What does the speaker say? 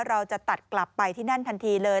เราจะตัดกลับไปที่นั่นทันทีเลย